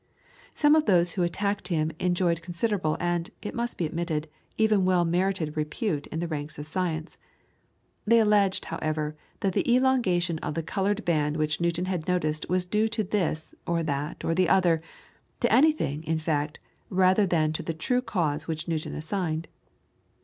Some of those who attacked him enjoyed considerable and, it must be admitted, even well merited repute in the ranks of science. They alleged, however, that the elongation of the coloured band which Newton had noticed was due to this, to that, or to the other to anything, in fact, rather than to the true cause which Newton assigned.